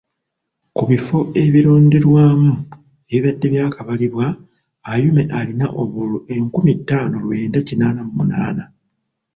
Ku bifo ebironderwamu ebibadde byakabalibwa Ayume alina obululu enkumi ttaano lwenda kinaana mu munaana.